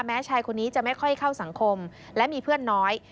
ชายคนนี้จะไม่ค่อยเข้าสังคมและมีเพื่อนน้อย